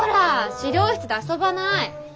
資料室で遊ばない！